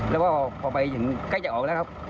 แล้วพอไปคล้ายตั้งอยากออกนะครับ